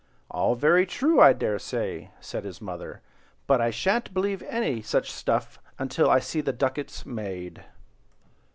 '" "All very true, I dare say," said his mother; "but I shan't believe any such stuff until I see the ducats made."